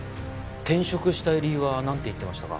転職したい理由はなんて言ってましたか？